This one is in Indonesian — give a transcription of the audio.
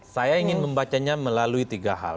saya ingin membacanya melalui tiga hal